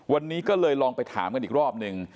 วันนี้ก็เลยลองไปถามกันอีกรอบหนึ่ง